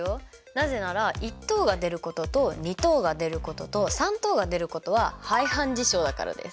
なぜなら一等が出ることと二等が出ることと三等が出ることは排反事象だからです。